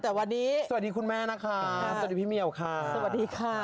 แต่วันนี้สวัสดีคุณแม่นะคะสวัสดีพี่เหมียวค่ะสวัสดีค่ะ